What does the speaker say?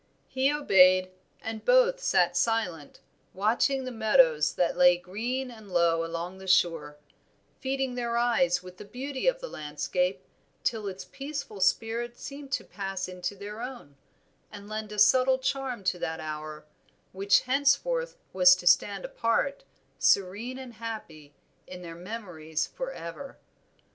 He obeyed, and both sat silent, watching the meadows that lay green and low along the shore, feeding their eyes with the beauty of the landscape, till its peaceful spirit seemed to pass into their own, and lend a subtle charm to that hour, which henceforth was to stand apart, serene and happy, in their memories forever.